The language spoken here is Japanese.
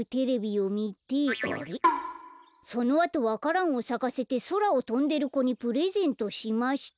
「そのあとわからんをさかせてそらをとんでる子にプレゼントしました」